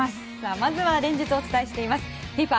まずは連日お伝えしていますＦＩＦＡ